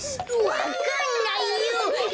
わかんないよ！